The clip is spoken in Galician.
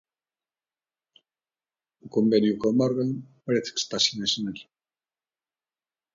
O convenio coa Morgan parece que está sen asinar.